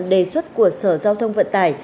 đề xuất của sở giao thông vận tải